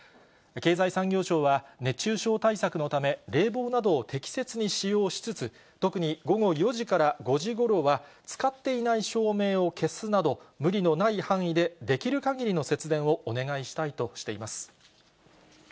経済産業省は、熱中症対策のため、冷房などを適切に使用しつつ、特に午後４時から５時ごろは、使っていない照明を消すなど、無理のない範囲でできるかぎりの節電をお願いしたいとしています。